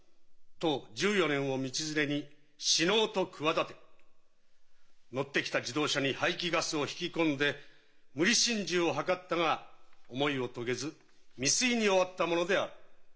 当１４年を道連れに死のうと企て乗ってきた自動車に排気ガスを引き込んで無理心中を図ったが思いを遂げず未遂に終わったものである。